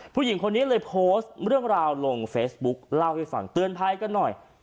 ผู้หญิงคนนี้เลยโพสต์เรื่องราวลงเฟซบุ๊กเล่าให้ฟังเตือนภัยกันหน่อย